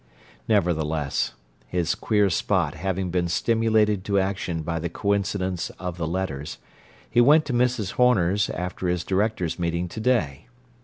Nevertheless, his queer spot having been stimulated to action by the coincidence of the letters, he went to Mrs. Horner's after his directors' meeting today.